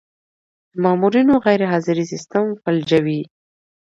د مامورینو غیرحاضري سیستم فلجوي.